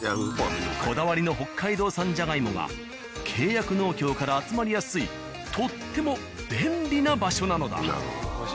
こだわりの北海道産ジャガイモが契約農協から集まりやすいとっても便利な場所なのだ。